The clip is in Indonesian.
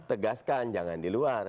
tegaskan jangan di luar